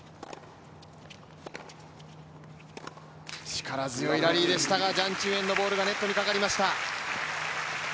力強いラリーでしたがジャン・チンウェンのボールがネットにかかりました。